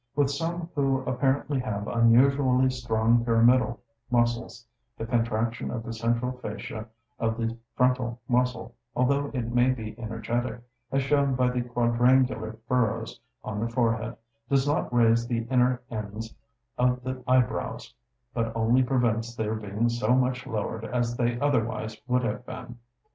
With some who apparently have unusually strong pyramidal muscles, the contraction of the central fasciae of the frontal muscle, although it may be energetic, as shown by the quadrangular furrows on the forehead, does not raise the inner ends of the eyebrows, but only prevents their being so much lowered as they otherwise would have been.